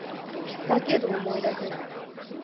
だけど、思い出せない